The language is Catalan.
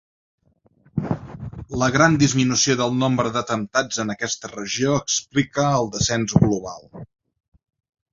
La gran disminució del nombre d’atemptats en aquesta regió explica el descens global.